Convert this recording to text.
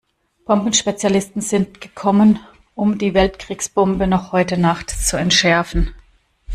Bombenspezialisten sind gekommen, um die Weltkriegsbombe noch heute Nacht zu entschärfen.